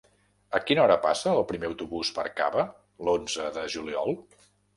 A quina hora passa el primer autobús per Cava l'onze de juliol?